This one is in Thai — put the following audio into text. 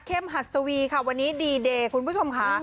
หัดสวีค่ะวันนี้ดีเดย์คุณผู้ชมค่ะ